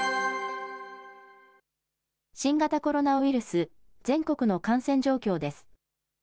新型コロナウイルス、全国の感染状況です。